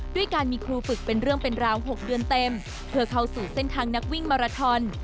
ด้วยการมีครูฝึกเป็นเรื่องเป็นราว๖เดือนเต็มเพื่อเข้าสู่เส้นทางนักวิ่งมาราทอน